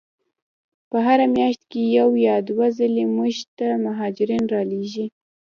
په هره میاشت کې یو یا دوه ځلې موږ ته مهاجرین را لیږي.